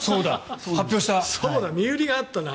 そうだ身売りがあったな。